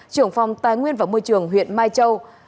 trưởng phòng tài nguyên và môi trường huyện mai châu